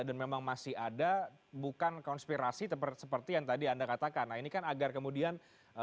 dan memang masih ada bukan konspirasi seperti yang tadi anda katakan ini kan agar kemudian